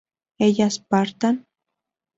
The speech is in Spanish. ¿ellas partan?